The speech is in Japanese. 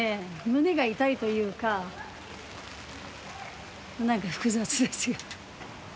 胸が痛いというか何か複雑ですよ